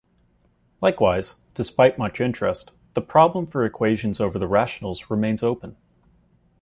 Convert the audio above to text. Likewise, despite much interest, the problem for equations over the rationals remains open.